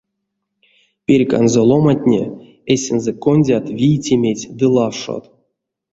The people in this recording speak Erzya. Перьканзо ломантне эсензэ кондят вийтеметь ды лавшот.